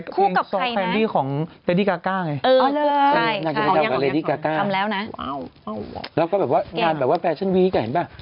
คู่กับใครนะอันนี้ของเฮดดี้กาก้าไงนางจะแบบว่าเฮดดี้กาก้าแล้วก็แบบว่าแบบว่าแฟชั่นวีกเห็นป่ะ